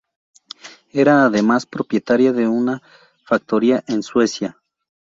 Era además propietaria de una factoría en Suecia.